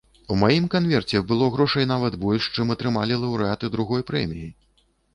У маім канверце было грошай нават больш, чым атрымалі лаўрэаты другой прэміі!